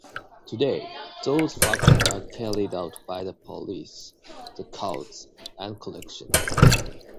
Today, those functions are carried out by the police, the courts, and corrections.